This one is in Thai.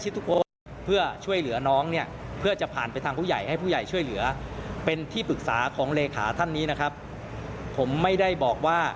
ที่ปรึกษาของเลขาท่านนี้นะครับผมไม่ได้บอกว่า